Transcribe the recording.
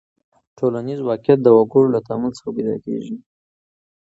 ټولنیز واقعیت د وګړو له تعامل څخه پیدا کیږي.